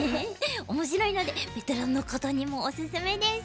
面白いのでベテランの方にもおすすめです。